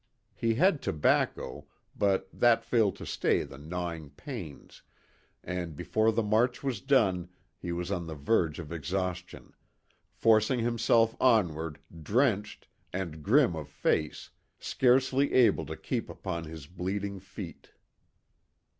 He had tobacco, but that failed to stay the gnawing pangs, and before the march was done he was on the verge of exhaustion; forcing himself onward, drenched, and grim of face; scarcely able to keep upon his bleeding feet.